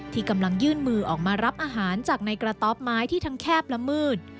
ที่กำลังยื่นมือออกมารับอาหารจากในกระต๊อบไม้ที่ทั้งแคบและมืด